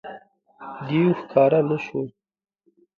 دېو ښکاره نه شو.